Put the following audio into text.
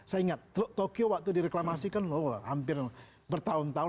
saya ingat tokyo waktu direklamasi kan hampir bertahun tahun